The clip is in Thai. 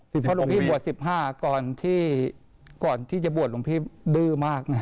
เพราะหลวงพี่บวช๑๕ก่อนที่จะบวชหลวงพี่ดื้อมากนะ